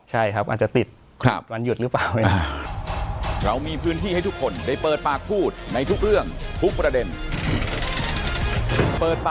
ใช่ครับอาจจะติด